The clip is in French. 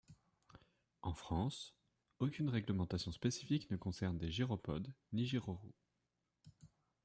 En France aucune réglementation spécifique ne concerne des gyropodes ni gyroroues.